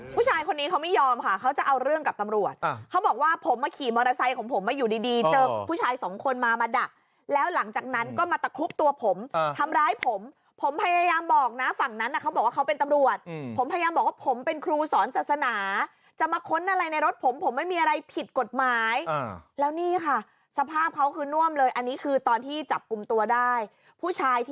ผู้ชายคนนี้เขาไม่ยอมค่ะเขาจะเอาเรื่องกับตำรวจเขาบอกว่าผมมาขี่มอเตอร์ไซค์ของผมมาอยู่ดีดีเจอผู้ชายสองคนมามาดักแล้วหลังจากนั้นก็มาตะครุบตัวผมทำร้ายผมผมพยายามบอกนะฝั่งนั้นเขาบอกว่าเขาเป็นตำรวจผมพยายามบอกว่าผมเป็นครูสอนศาสนาจะมาค้นอะไรในรถผมผมไม่มีอะไรผิดกฎหมายแล้วนี่ค่ะสภาพเขาคือน่วมเลยอันนี้คือตอนที่จับกลุ่มตัวได้ผู้ชายที่